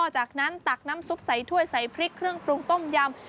จากนั้นตักน้ำซุปใส่ถ้วยใส่พริกเครื่องปรุงต้มยำ